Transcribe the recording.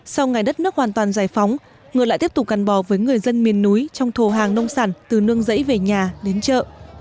sau ngày đất nước hoàn toàn giải phóng người lại tiếp tục gắn bò với người dân miền núi trong thù hàng nông sản từ nương rẫy về nhà đến chợ